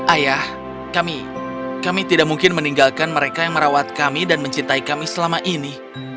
ayah kami kami tidak mungkin meninggalkan mereka yang merawat kami dan mencintai kami selama ini